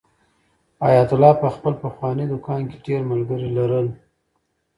حیات الله په خپل پخواني دوکان کې ډېر ملګري لرل.